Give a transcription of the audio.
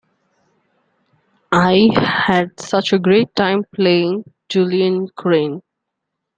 I had such a great time playing Julian Crane.